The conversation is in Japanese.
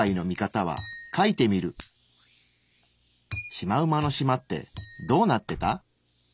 シマウマのしまってどうなってた？